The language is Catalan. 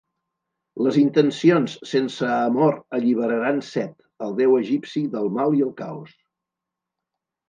Les intencions sense amor alliberaran Set, el deu egipci del mal i el caos.